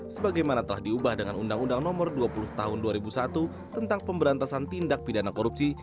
sebagaimana telah diubah dengan undang undang nomor dua puluh tahun dua ribu satu tentang pemberantasan tindak pidana korupsi